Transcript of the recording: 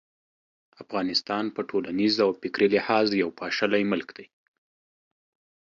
افغانستان په ټولنیز او فکري لحاظ یو پاشلی ملک دی.